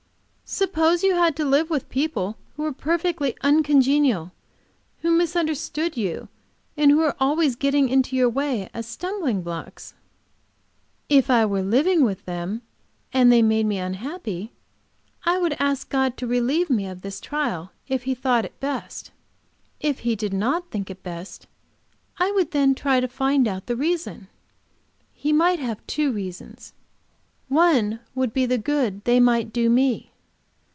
"Suppose you had to live with people who were perfectly uncongenial; who misunderstood you, and who were always getting into your way as stumbling blocks?" "If I were living with them and they made me unhappy, I would ask God to relieve me of this trial if He thought it best. If He did not think it best, I would then try to find out the reason. He might have two reasons. One would be the good they might do me.